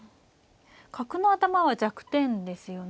角の頭は弱点ですよね。